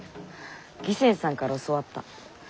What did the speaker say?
義仙さんから教わった。